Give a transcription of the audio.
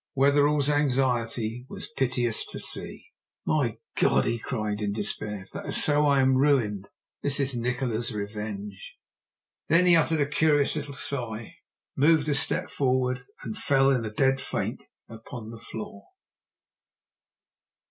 Wetherell's anxiety was piteous to see. "My God!" he cried in despair. "If that is so, I am ruined. This is Nikola's revenge." Then he uttered a curious little sigh, moved a step forward, and fell in a dead faint upon the floor.